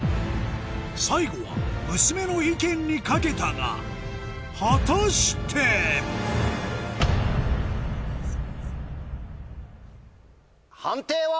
最後は娘の意見にかけたが果たして⁉判定は？